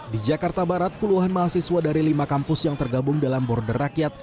di jakarta barat puluhan mahasiswa dari lima kampus yang tergabung dalam border rakyat